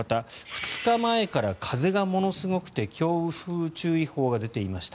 ２日前から風がものすごくて強風注意報が出ていました。